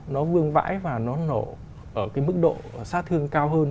nó nổ bằng vãi và nó nổ ở cái mức độ xa thương cao hơn